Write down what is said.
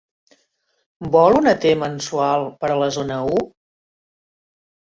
Vol una T-mensual per a la zona u?